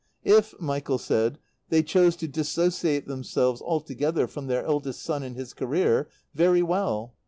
If, Michael said, they chose to dissociate themselves altogether from their eldest son and his career, very well.